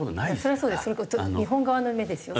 それは日本側の目ですよね。